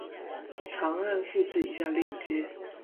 长按复制以下链接